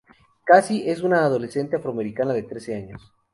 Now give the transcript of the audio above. Cassie es una adolescente afroamericana de trece años.